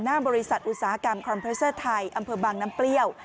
หน้าบริษัทอุตสาหกรรมคอมเพรสเตอร์ไทยอำเภอบางน้ำเปรี้ยว